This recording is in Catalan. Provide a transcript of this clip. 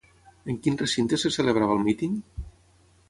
En quin recinte se celebrava el míting?